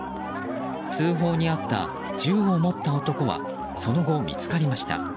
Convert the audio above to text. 通報にあった銃を持った男はその後、見つかりました。